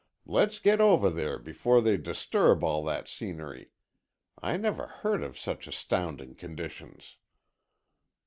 "Let's get over there before they disturb all that scenery! I never heard of such astounding conditions."